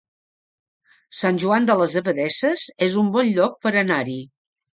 Sant Joan de les Abadesses es un bon lloc per anar-hi